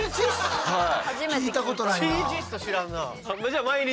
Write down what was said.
聞いたことないな。